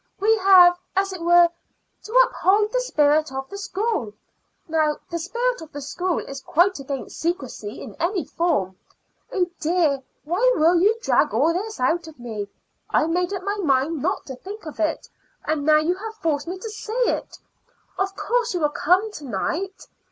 We have, as it were, to uphold the spirit of the school. Now the spirit of the school is quite against secrecy in any form. Oh dear, why will you drag all this out of me? I'd made up my mind not to think of it, and now you have forced me to say it. Of course you will come to night.